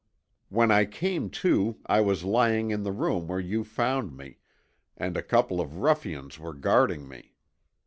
"When I came to I was lying in the room where you found me, and a couple of ruffians were guarding me.